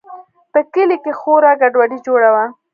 په کلي کښې خورا گډوډي جوړه وه.